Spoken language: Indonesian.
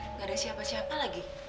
nggak ada siapa siapa lagi